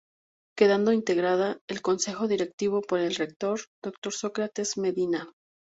Quedando integrada el Consejo Directivo, por el Rector, Dr. Sócrates Medina.